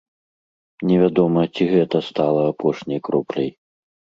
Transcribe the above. Невядома, ці гэта стала апошняй кропляй.